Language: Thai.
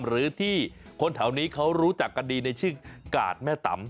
หรือที่คนแถวนี้เขารู้จักกันดีในชื่อกาดแม่ตำ